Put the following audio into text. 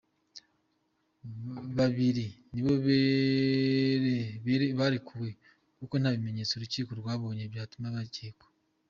Babiri nibo barekuwe kuko nta bimenyetso urukiko rwabonye byatuma bakekwa.